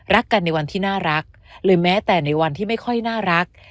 รักกันในวันที่น่ารักหรือแม้แต่ในวันที่ไม่ค่อยน่ารัก